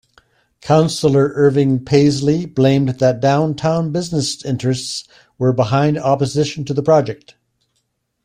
Councillor Irving Paisley blamed that downtown business interests were behind opposition to the project.